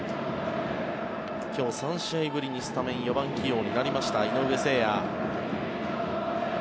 今日、３試合ぶりにスタメン４番起用になりました井上晴哉。